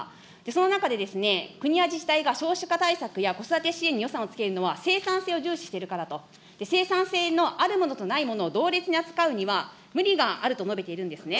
この中で、国や自治体が少子化対策や子育て支援に予算をつけるのは生産性を重視しているからと、生産性のあるものとないものを同列に扱うには、無理があると述べているんですね。